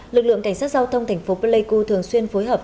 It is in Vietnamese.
lực lượng cảnh sát giao thông thành phố pleiku thường xuyên phối hợp